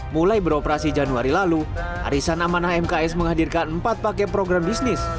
mulai beroperasi januari lalu arisan amanah mks menghadirkan empat paket program bisnis